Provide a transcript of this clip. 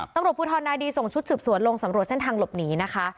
ตำรวจภูทรนาดีส่งชุดสืบสวนลงสำรวจเส้นทางหลบหนีนะคะ